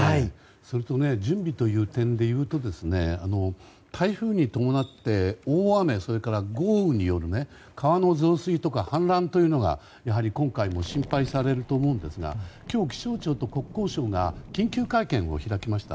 それと、準備という点で言うと台風に伴って大雨、豪雨による川の増水とか氾濫がやはり今回も心配されると思うんですが今日、気象庁と国交省が緊急会見を開きました。